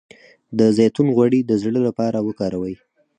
د زیتون غوړي د زړه لپاره وکاروئ